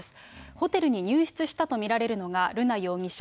ホテルに入室したと見られるのが瑠奈容疑者。